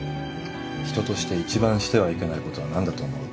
人として一番してはいけないことは何だと思う？